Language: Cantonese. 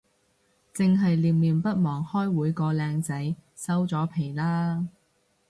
剩係念念不忘開會個靚仔，收咗皮喇